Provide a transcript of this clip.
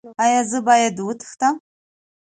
ایا زه باید وتښتم؟